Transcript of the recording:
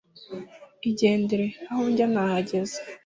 igendere aho njya nahageze.